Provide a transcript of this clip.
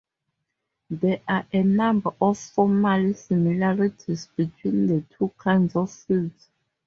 There are a number of formal similarities between the two kinds of fields.